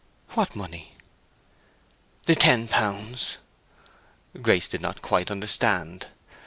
_" "What money?" "The ten pounds." Grace did not quite understand.